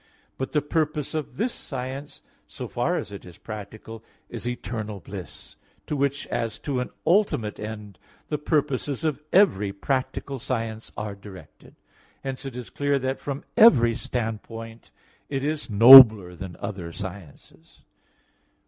But the purpose of this science, in so far as it is practical, is eternal bliss; to which as to an ultimate end the purposes of every practical science are directed. Hence it is clear that from every standpoint, it is nobler than other sciences.